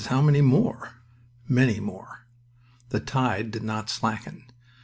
how many more?" Many more. The tide did not slacken.